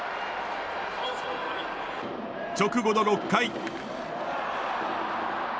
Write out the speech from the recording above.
直後の６回。